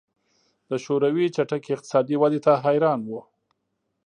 د شوروي چټکې اقتصادي ودې ته حیران وو